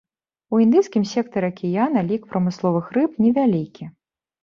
У індыйскім сектары акіяна лік прамысловых рыб невялікі.